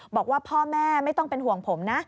บอกว่าพ่อแม่ไม่ต้องเป็นห่วงผมนะ